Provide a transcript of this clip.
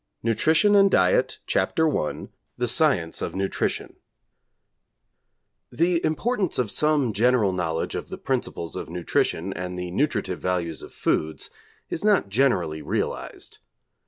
NUTRITION AND DIET I THE SCIENCE OF NUTRITION The importance of some general knowledge of the principles of nutrition and the nutritive values of foods is not generally realised.